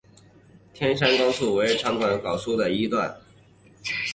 天汕高速公路是长深高速公路在广东省境内的一段。